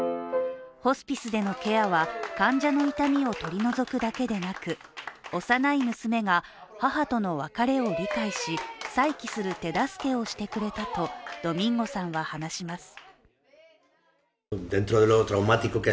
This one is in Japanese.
ホスピスでのケアは患者の痛みを取り除くだけでなく幼い娘が、母との別れを理解し再起する手助けをしてくれたとドミンゴさんは話します。